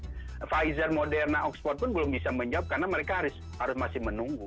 karena pfizer moderna oxford pun belum bisa menjawab karena mereka harus masih menunggu